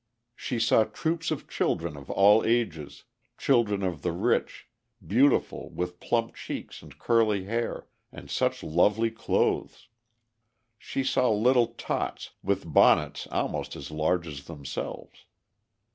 She saw troops of children of all ages, children of the rich, beautiful, with plump cheeks and curly hair, and such lovely clothes. She saw little tots, with bonnets almost as large as themselves.